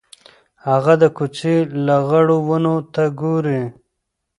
هغه د کوڅې لغړو ونو ته ګوري.